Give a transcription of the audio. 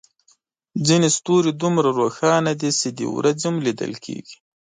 ځینې ستوري دومره روښانه دي چې د ورځې هم لیدل کېږي.